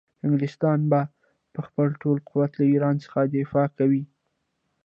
انګلستان به په خپل ټول قوت له ایران څخه دفاع کوي.